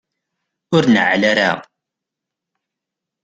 Ur neɛɛel ara.